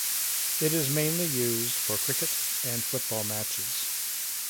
It is mainly used for cricket and football matches.